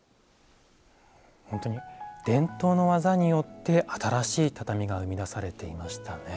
本当に伝統の技によって新しい畳が生み出されていましたね。